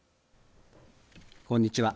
こんにちは。